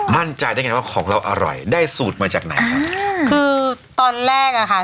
มั่นใจได้ไงว่าของเราอร่อยได้สูตรมาจากไหนครับคือตอนแรกอ่ะค่ะ